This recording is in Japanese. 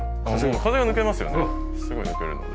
風が抜けますよね。